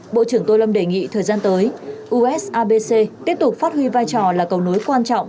bộ trưởng tô lâm đề nghị thời gian tới usabc tiếp tục phát huy vai trò là cầu nối quan trọng